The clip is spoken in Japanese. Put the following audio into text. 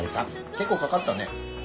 結構かかったね？